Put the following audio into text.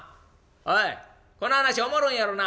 「おいこの話おもろいんやろな。